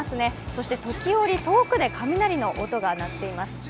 そして時折、遠くで雷の音が鳴っています。